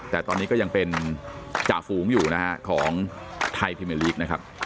แต่ตอนนี้ก็ยังเป็นจ่าฝูงอยู่นะฮะของไทยพรีเมอร์ลีกนะครับ